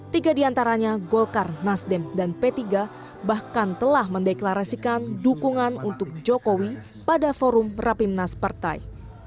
tiga diantaranya golkar nasdem dan p tiga bahkan telah mendeklarasikan dukungan untuk jokowi pada forum rapimnas partai